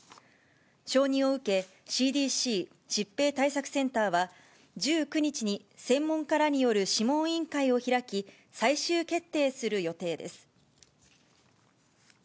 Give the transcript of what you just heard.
承認を受け、ＣＤＣ・疾病対策センターは、１９日に専門家らによる諮問委員会を開き、最終決定する予定です。